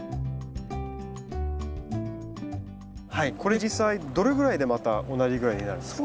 これ実際どれぐらいでまた同じぐらいになるんですか？